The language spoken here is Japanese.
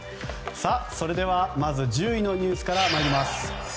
それでは１０位のニュースから参ります。